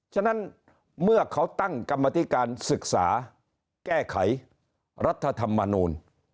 ฉะนั้นเมื่อเขาตั้งกรรมธิการศึกษาแก้ไขรัฐธรรมนูล